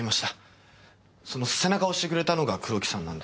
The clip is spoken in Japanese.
その背中を押してくれたのが黒木さんなんです。